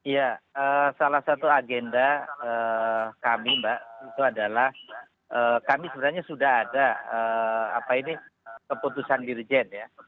ya salah satu agenda kami mbak itu adalah kami sebenarnya sudah ada keputusan dirjen ya